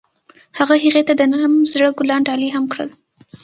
هغه هغې ته د نرم زړه ګلان ډالۍ هم کړل.